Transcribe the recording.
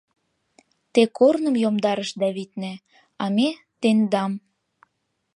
— Те корным йомдарышда, витне, а ме — тендам!